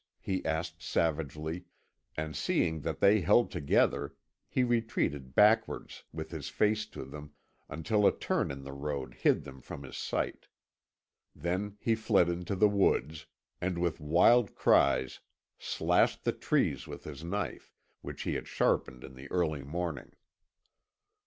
he asked savagely, and seeing that they held together, he retreated backwards, with his face to them, until a turn in the road hid them from his sight. Then he fled into the woods, and with wild cries slashed the trees with his knife, which he had sharpened in the early morning.